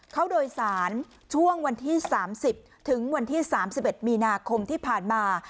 เข้าโดยสารช่วงวันที่๓๐ถึงวันที่๓๑มีนาคมที่ผ่านมา